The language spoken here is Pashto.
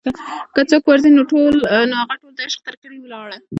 که څوک ور ځي نوهغه ټول دعشق تر کلي ولاړه